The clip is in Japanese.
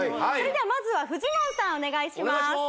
それではまずはフジモンさんお願いします